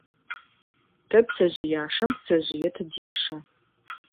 Тэ пцэжъыяшэм пцэжъые тыдешэ.